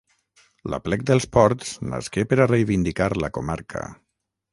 L'aplec dels Ports nasqué per a reivindicar la comarca